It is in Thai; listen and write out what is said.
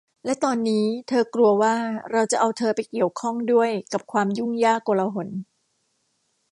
และตอนนี้เธอกลัวว่าเราจะเอาเธอไปเกี่ยวข้องด้วยกับความยุ่งยากโกลาหล